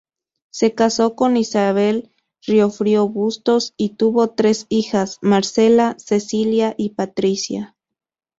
Se casó con Isabel Riofrío Bustos y tuvo tres hijas: Marcela, Cecilia y Patricia.